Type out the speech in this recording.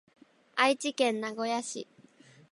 愛知県名古屋市